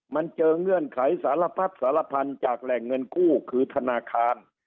มันเจอเงื่อนไขสารพัดสารพันธุ์จากแหล่งเงินกู้คือธนาคาร